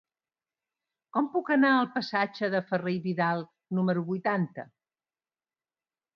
Com puc anar al passatge de Ferrer i Vidal número vuitanta?